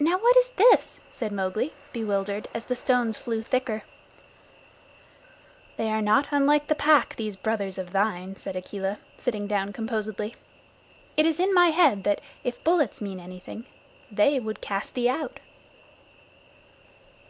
"Now what is this?" said Mowgli, bewildered, as the stones flew thicker. "They are not unlike the Pack, these brothers of thine," said Akela, sitting down composedly. "It is in my head that, if bullets mean anything, they would cast thee out."